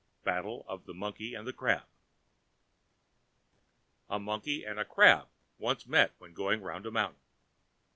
Battle of the Monkey and the Crab A Monkey and a Crab once met when going round a mountain.